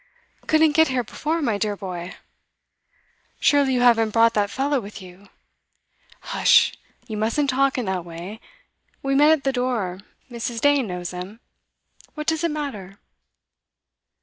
'Couldn't get here before, my dear boy.' 'Surely you haven't brought that fellow with you?' 'Hush! You mustn't talk in that way. We met at the door. Mrs. Dane knows him. What does it matter?